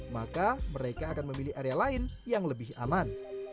maka mereka akan memilih area lain yang lebih aman